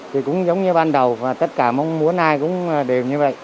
thì cũng giống như ban đầu và tất cả mong muốn ai cũng đều như vậy